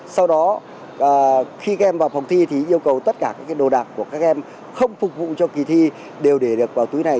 sau đó khi các em vào phòng thi thì yêu cầu tất cả các đồ đạc của các em không phục vụ cho kỳ thi đều để được vào túi này